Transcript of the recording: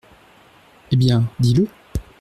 Eh bien, dis-le !